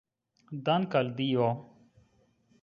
Dank' al Dio!